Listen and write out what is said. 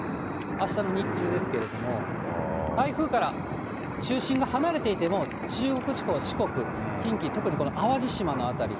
あしたの日中ですけれども、台風から中心が離れていても、中国地方、四国、近畿、特にこの淡路島の辺り。